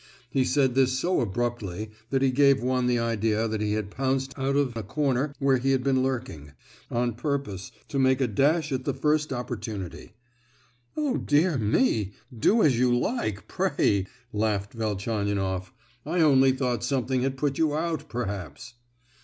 He said this so abruptly that he gave one the idea that he had pounced out of a corner where he had been lurking, on purpose to make a dash at the first opportunity. "Oh dear me! do as you like, pray!" laughed Velchaninoff; "I only thought something had put you out, perhaps!"